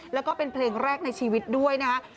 แล้วก็เป็นเพลงแรกในชีวิตด้วยนะฮะ